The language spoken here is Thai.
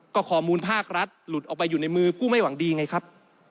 ก็ข้อมูลภาครัฐหลุดออกไปอยู่ในมือกู้ไม่หวังดีไงครับ